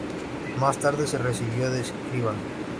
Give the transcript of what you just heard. Más tarde se recibió de escribano.